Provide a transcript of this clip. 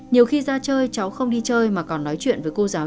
nhiều khi ra chơi cháu không đi chơi mà còn nói chuyện với cô giáo